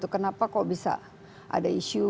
kenapa kok bisa ada isu